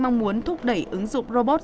mong muốn thúc đẩy ứng dụng robot